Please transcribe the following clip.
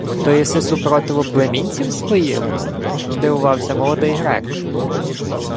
— То єси супротиву племінців своїх? — здивувався молодий грек.